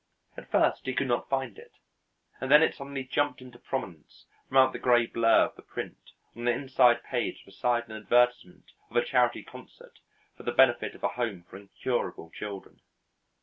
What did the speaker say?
At first he could not find it, and then it suddenly jumped into prominence from out the gray blur of the print on an inside page beside an advertisement of a charity concert for the benefit of a home for incurable children.